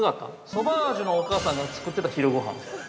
ソバージュのお母さんが作ってた昼ごはん。